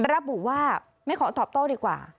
ระบุว่าไม่ขอตอบโต้ดีกว่า